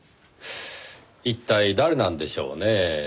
一体誰なんでしょうねぇ？